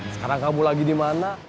sekarang kamu lagi dimana